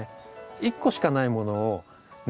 一個しかないものをね